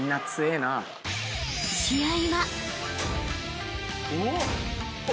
［試合は］